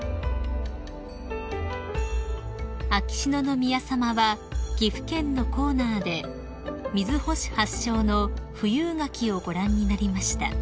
［秋篠宮さまは岐阜県のコーナーで瑞穂市発祥の富有柿をご覧になりました］